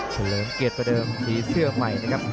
เลิมเกียรติประเดิมสีเสื้อใหม่นะครับ